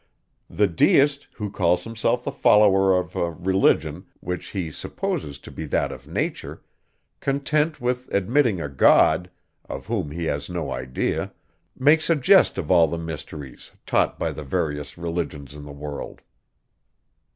The deist, who calls himself the follower of a religion, which he supposes to be that of nature, content with admitting a God, of whom he has no idea, makes a jest of all the mysteries, taught by the various religions in the world.